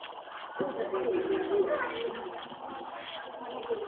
Wakati huo Chama cha ujamaa cha China